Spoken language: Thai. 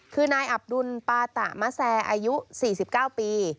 คือนายอับดุลปาตะมะแซอายุ๔๙ปี